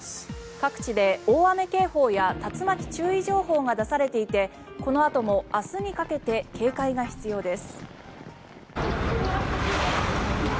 各地で大雨警報や竜巻注意情報が出されていてこのあとも明日にかけて警戒が必要です。